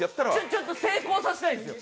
ちょっと成功させたいんですよ。